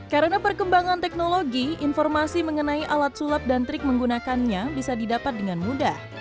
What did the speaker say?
karena perkembangan teknologi informasi mengenai alat sulap dan trik menggunakannya bisa didapat dengan mudah